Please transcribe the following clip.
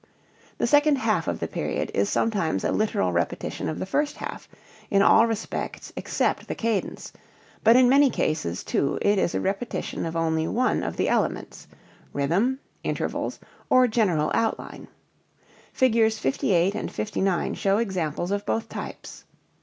The second half of the period is sometimes a literal repetition of the first half, in all respects except the cadence, but in many cases too it is a repetition of only one of the elements rhythm, intervals, or general outline. Figs. 58 and 59 show examples of both types.